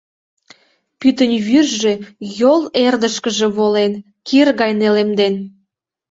Пӱтынь вӱржӧ йол эрдышкыже волен, кир гай нелемден.